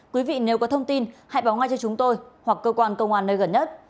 quý vị nếu có thông tin hãy báo ngay cho chúng tôi hoặc cơ quan công an nơi gần nhất